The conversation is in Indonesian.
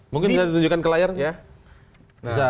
mungkin bisa ditunjukkan ke layar ya